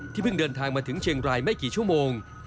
เพิ่งเดินทางมาถึงเชียงรายไม่กี่ชั่วโมง